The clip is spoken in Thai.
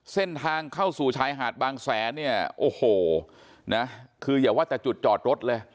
เส้นทางเข้าสู่ชายหาดบางแสนเนี่ยโอ้โหนะคืออย่าว่าแต่จุดจอดรถเลย